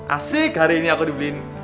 asik hari ini aku dibeliin